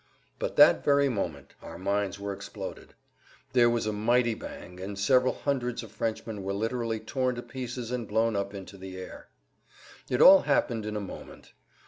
But that very moment our mines were exploded. There was a mighty bang, and several hundreds of Frenchmen were literally torn to pieces and blown up into the air. It all happened in a moment.